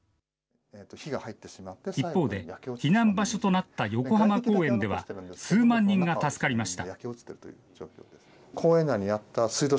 一方で、避難場所となった横浜公園では、数万人が助かりました。